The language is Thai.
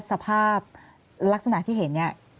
สภาพลักษณะที่เห็นเนี่ย